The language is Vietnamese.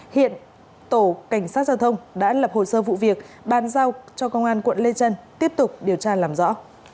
hiện tổ cảnh sát giao thông đã lập hồ sơ vụ việc bàn giao cho công an tp hcm tiếp tục điều tra làm rõ